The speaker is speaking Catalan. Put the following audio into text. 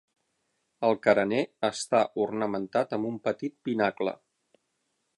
El carener està ornamentat amb un petit pinacle.